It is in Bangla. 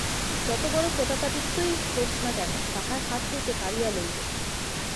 যত বড় প্রতাপাদিত্যই হউন না কেন, তাঁহার হাত হইতে কাড়িয়া লইব।